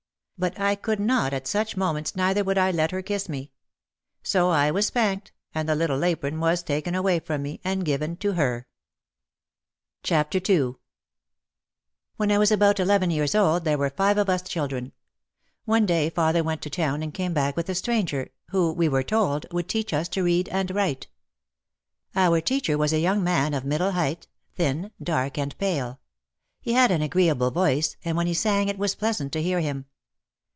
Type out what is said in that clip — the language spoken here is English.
But I could not at such moments, neither would I let her kiss me. So I was spanked and the little apron was taken away from me and given to her. OUR HOUSE WAS A LOG HOUSE, COVERED WITH A STRAW ROOF. OUT OF THE SHADOW 13 II When I was about eleven years old there were five of us children. One day father went to town and came back with a stranger, who, we were told, would teach us to read and write. Our teacher was a young man of middle height, thin, dark and pale. He had an agree able voice, and when he sang it was pleasant to hear him.